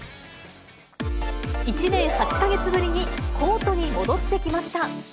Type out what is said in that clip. １年８か月ぶりにコートに戻ってきました。